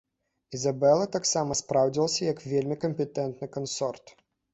Ізабела таксама спраўдзілася як вельмі кампетэнтны кансорт.